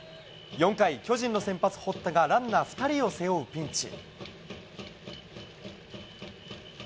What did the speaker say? ４回、巨人の先発、堀田がランナー２人を背負うピンチ。